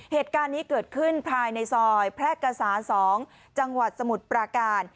เหตุการณ์นี้เกิดขึ้นภายในซอยแพร่กษา๒จังหวัดสมุทรปราการ